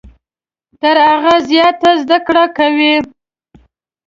تر هغه زیاته زده کړه کوي .